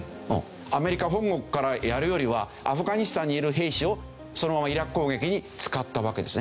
アメリカ本国からやるよりはアフガニスタンにいる兵士をそのままイラク攻撃に使ったわけですね。